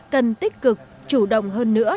cần tích cực chủ động hơn nữa